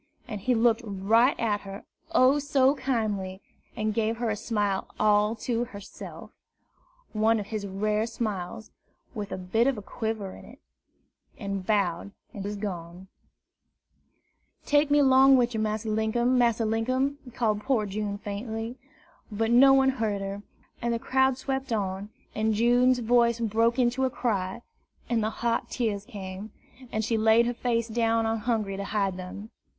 And he looked right at her, oh, so kindly! and gave her a smile all to herself one of his rare smiles, with a bit of a quiver in it, and bowed, and was gone. "Take me 'long wid yer, Massa Linkum, Massa Linkum!" called poor June faintly. But no one heard her; and the crowd swept on, and June's voice broke into a cry, and the hot tears came, and she laid her face down on Hungry to hide them.